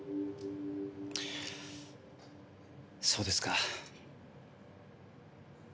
そうですか。